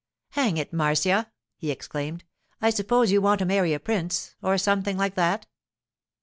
'Hang it! Marcia,' he exclaimed. 'I suppose you want to marry a prince, or something like that?